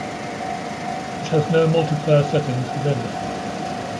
It has no multiplayer settings within it.